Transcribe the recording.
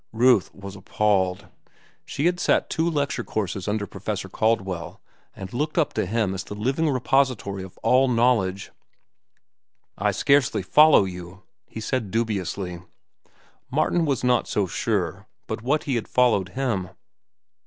Ruth was appalled. She had sat two lecture courses under Professor Caldwell and looked up to him as the living repository of all knowledge. "I scarcely follow you," he said dubiously. Martin was not so sure but what he had followed him.